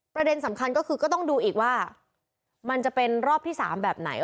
ประเด็นสำคัญก็คือก็ต้องดูอีกว่ามันจะเป็นรอบที่๓แบบไหน